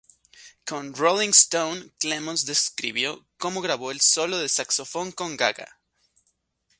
Con "Rolling Stone", Clemons describió como grabó el solo de saxofón con Gaga.